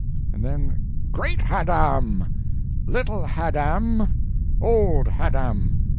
and then "Great Haddam!" "Little Haddam!" "Old Haddam!"